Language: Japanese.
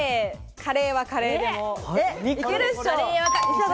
カレーはカレーでも。